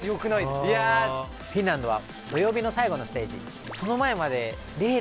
いやフィンランドは。